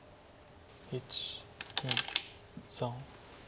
１２３。